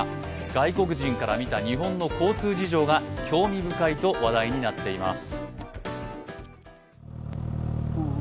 外国人から見た日本の交通事情が興味深いと話題になっています。